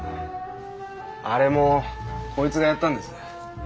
あれもこいつがやったんです。